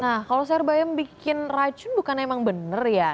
nah kalau sayur bayam bikin racun bukan emang bener ya